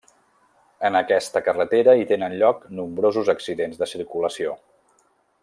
En aquesta carretera hi tenen lloc nombrosos accidents de circulació.